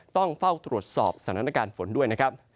ต้องเฝ้าตรวจสอบสถานการณ์ฝนด้วยนะครับ